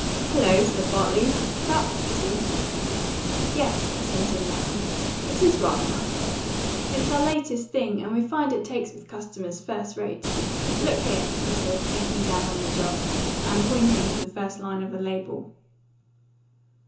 "Hello!" said Bartley. "That's pretty!" "Yes," assented Lapham, "it is rather nice. It's our latest thing, and we find it takes with customers first rate. Look here!" he said, taking down one of the jars, and pointing to the first line of the label.